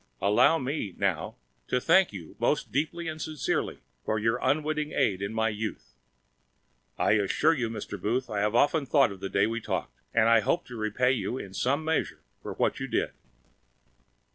Allow me, now, to thank you most deeply and sincerely for your unwitting aid in my youth. I assure you, Mr. Booth, I have often thought of that day we talked. And I hope to repay you, in some measure, for what you did."